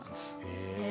へえ。